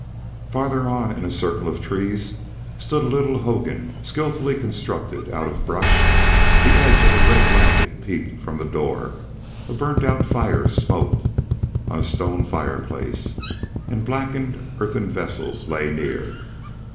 Farther on in a circle of trees stood a little hogan skilfully constructed out of brush; the edge of a red blanket peeped from the door; a burnt out fire smoked on a stone fireplace, and blackened earthen vessels lay near.